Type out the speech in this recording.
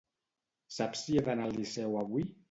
Saps si he d'anar al Liceu avui?